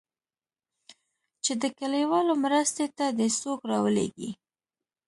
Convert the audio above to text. چې د کليوالو مرستې ته دې څوک راولېږي.